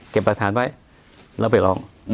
เก็บประสานไว้เราไปลอง